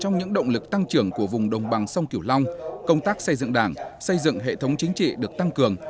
trong những động lực tăng trưởng của vùng đồng bằng sông kiểu long công tác xây dựng đảng xây dựng hệ thống chính trị được tăng cường